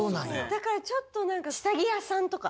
だからちょっとなんか下着屋さんとか？